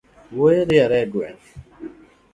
Wuoi riere e gweng’